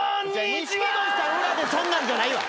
錦鯉さん裏でそんなんじゃないわ。